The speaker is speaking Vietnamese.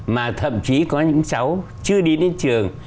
mà thậm chí có những cháu chưa đi đến trường